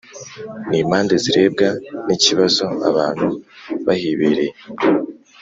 N impande zirebwa n ikibazo abantu bahibereye